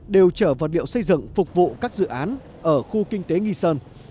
đều chở vật liệu xây dựng phục vụ các dự án ở khu kinh tế nghi sơn